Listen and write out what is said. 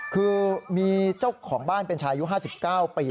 คือมีเจ้าของบ้านเป็นชายุ๕๙ปี